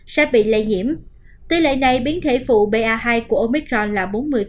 sẽ bị lây nhiễm tỷ lệ này biến thể phụ ba hai của omicron là bốn mươi